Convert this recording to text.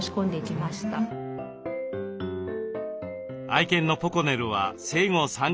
愛犬のポコネルは生後３か月。